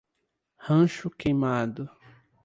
Rancho Queimado